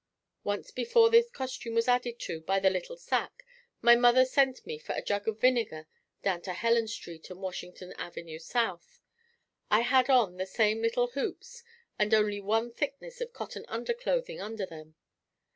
Once before this costume was added to, by the little sack, my mother sent me for a jug of vinegar down to Helen Street and Washington Avenue South. I had on the same little hoops and only one thickness of cotton underclothing under them.